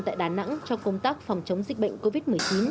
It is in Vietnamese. tại đà nẵng trong công tác phòng chống dịch bệnh covid một mươi chín